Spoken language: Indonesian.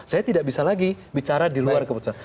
saya tidak bisa lagi bicara di luar keputusan